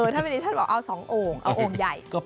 ถ้าไม่ได้ฉันบอกเอาสองโอ่งเอาโอ่งใหญ่